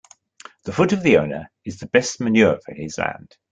The foot of the owner is the best manure for his land.